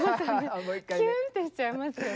キューンってしちゃいますよね。